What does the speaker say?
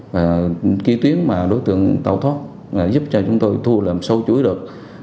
và ký tuyến đối tượng tàu thoát giúp cho chúng tôi thu lệm sâu chuối được